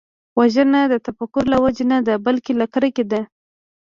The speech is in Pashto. وژنه د تفکر له وجې نه ده، بلکې له کرکې ده